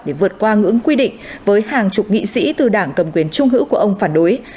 để vượt qua ngưỡng quy định với hàng chục nghị sĩ từ đảng cầm quyền trung hữu của ông phản đối